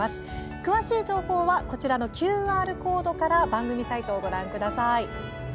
詳しい情報はこちらのＱＲコードから番組サイトをご覧ください。